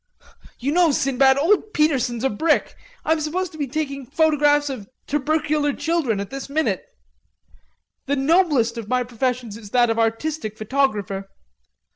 You know Sinbad, old Peterson's a brick.... I'm supposed to be taking photographs of tubercular children at this minute.... The noblest of my professions is that of artistic photographer....